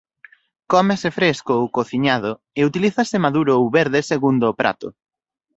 Cómese fresco ou cociñado e utilízase maduro ou verde segundo o prato.